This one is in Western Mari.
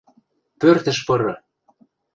Пӧртӹш пыры!..